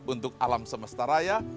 untuk alam semesta raya